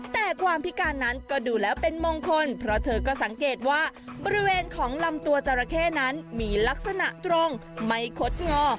แต่ความพิการนั้นก็ดูแล้วเป็นมงคลเพราะเธอก็สังเกตว่าบริเวณของลำตัวจราเข้นั้นมีลักษณะตรงไม่คดงอ